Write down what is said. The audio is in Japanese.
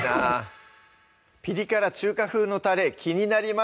ピリ辛中華風のたれ気になります